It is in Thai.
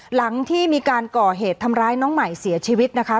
หลังที่มีการก่อเหตุทำร้ายน้องใหม่เสียชีวิตนะคะ